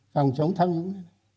phòng chống tham nhũng